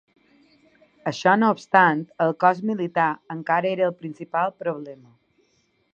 Això no obstant, el cos militar encara era el principal problema.